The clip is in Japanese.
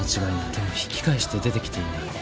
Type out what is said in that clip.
でも引き返して出てきていない。